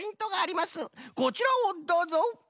こちらをどうぞ！